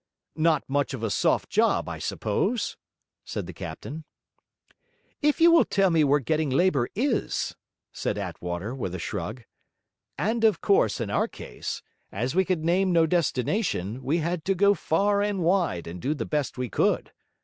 'Not much of a soft job, I suppose?' said the captain. 'If you will tell me where getting labour is!' said Attwater with a shrug. 'And of course, in our case, as we could name no destination, we had to go far and wide and do the best we could.